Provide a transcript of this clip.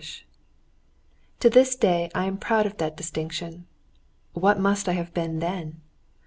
To this day I am proud of that distinction; what must I have been then?